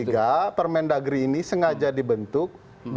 sehingga permendagri ini sengaja dibentuk